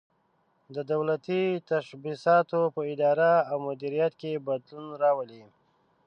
د دولتي تشبثاتو په اداره او مدیریت کې بدلون راولي.